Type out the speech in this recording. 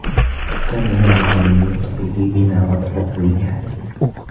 وَكَانَ ذَلِكَ مِنْ لُطْفِهِ بِنَا وَتَفَضُّلِهِ عَلَيْنَا